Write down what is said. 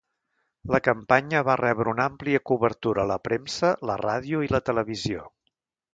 La campanya va rebre una àmplia cobertura a la premsa, la ràdio, i la televisió.